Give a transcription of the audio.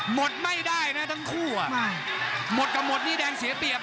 หมดไม่ได้นะทั้งคู่อ่ะไม่หมดกับหมดนี่แดงเสียเปรียบ